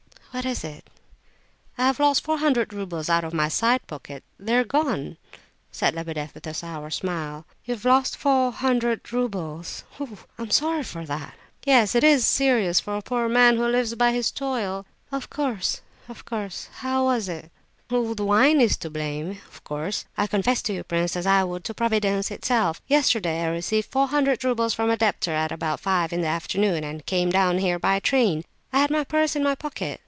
"What is it?" "I have lost four hundred roubles out of my side pocket! They're gone!" said Lebedeff, with a sour smile. "You've lost four hundred roubles? Oh! I'm sorry for that." "Yes, it is serious for a poor man who lives by his toil." "Of course, of course! How was it?" "Oh, the wine is to blame, of course. I confess to you, prince, as I would to Providence itself. Yesterday I received four hundred roubles from a debtor at about five in the afternoon, and came down here by train. I had my purse in my pocket.